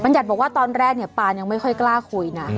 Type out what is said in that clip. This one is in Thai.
หัดบอกว่าตอนแรกเนี่ยปานยังไม่ค่อยกล้าคุยนะ